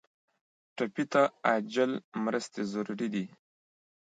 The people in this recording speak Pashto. ټپي ته عاجل مرستې ضروري دي.